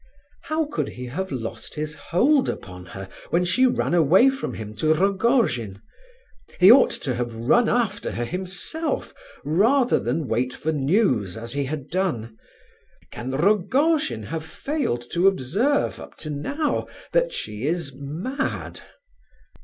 How could he have lost his hold upon her when she ran away from him to Rogojin? He ought to have run after her himself, rather than wait for news as he had done. Can Rogojin have failed to observe, up to now, that she is mad?